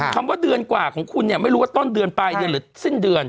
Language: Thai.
ว่าเดือนกว่าของคุณเนี่ยไม่รู้ว่าต้นเดือนปลายเดือนหรือสิ้นเดือน